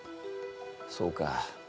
そうか。